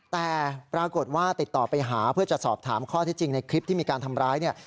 แต่ปรากฏว่าติดต่อไปหาเพื่อจะสอบถามข้อที่จริงในคลิปที่มีการทำร้ายเนี่ย